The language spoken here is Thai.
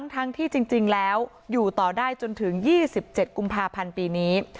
ทั้งที่จริงแล้วอยู่ต่อได้จนถึง๒๗กุมภาพันธ์ปีนี้